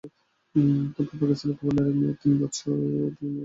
তবে পাকিস্তানে গভর্নরের মেয়াদ তিন বছর এবং মেয়াদ আরও একবার বাড়ানো যায়।